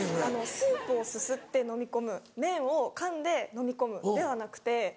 「スープをすすってのみ込む麺をかんでのみ込む」ではなくて。